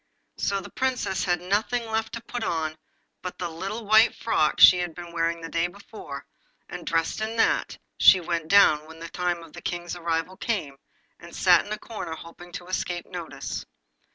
So the Princess had nothing left to put on but the little white frock she had been wearing the day before; and dressed in that, she went down when the time of the King's arrival came, and sat in a corner hoping to escape notice.